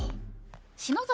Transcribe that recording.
篠崎